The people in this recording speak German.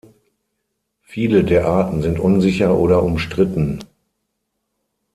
Viele der Arten sind unsicher oder umstritten.